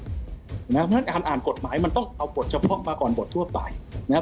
เพราะฉะนั้นการอ่านกฎหมายมันต้องเอาบทเฉพาะมาก่อนบททั่วไปนะครับ